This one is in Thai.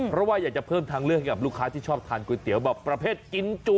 เพราะว่าอยากจะเพิ่มทางเลือกให้กับลูกค้าที่ชอบทานก๋วยเตี๋ยวแบบประเภทกินจุ